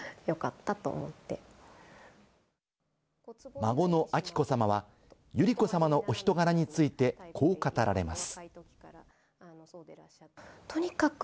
孫の彬子さまは百合子さまのお人柄について、こう語られます。